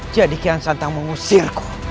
jadikan santang mengusirku